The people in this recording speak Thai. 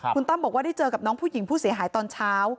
คุณตั้มบอกว่าได้เจอกับน้องผู้หญิงผู้เสียหายตอนเช้า